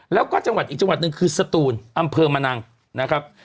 แล้วก็จังหวัดอีกจังหวัดหนึ่งคือสตูนอำเภอมะนังนะครับ